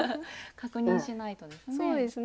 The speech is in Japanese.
確認しないとですね。